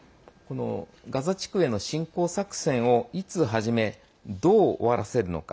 ガザ地区への侵攻作戦をいつ始め、どう終わらせるのか。